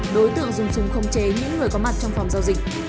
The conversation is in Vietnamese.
đối tượng dùng súng không chế những người có mặt trong phòng giao dịch